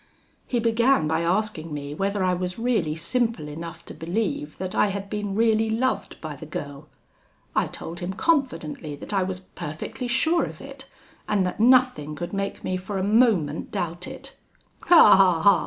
"He began by asking me whether I was really simple enough to believe that I had been really loved by the girl. I told him confidently that I was perfectly sure of it, and that nothing could make me for a moment doubt it. 'Ha, ha, ha!'